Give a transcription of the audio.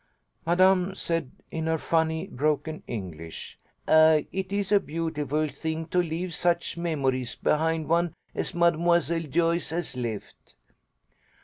"Madame said in her funny broken English, 'Ah, it is a beautiful thing to leave such memories behind one as Mademoiselle Joyce has left.'